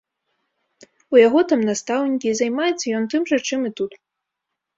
У яго там настаўнікі, і займаецца ён тым жа, чым і тут.